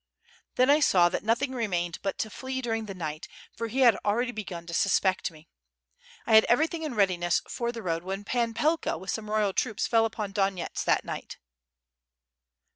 Then I saw that nothing remained but to flee during the night, for he had already begun to suspect me. I had everything in readiness for the road when Pan Pelka with some royal troops, fell upon Donyets that night."